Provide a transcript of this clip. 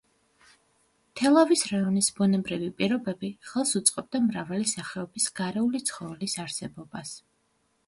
თელავის რაიონის ბუნებრივი პირობები ხელს უწყობდა მრავალი სახეობის გარეული ცხოველის არსებობას.